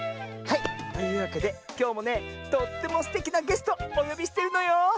はいというわけできょうもねとってもすてきなゲストおよびしてるのよ。